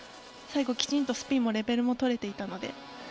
最後、きちんとスピンもレベルが取れていたので。